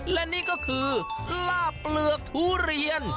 และนี่ก็คือลาบเปลือกทุเรียน